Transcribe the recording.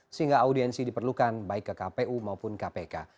sehingga audiensi diperlukan baik ke kpu maupun kpk